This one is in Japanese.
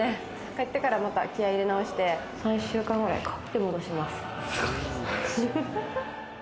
帰ってから、また気合い入れなおして３週間くらいで戻します。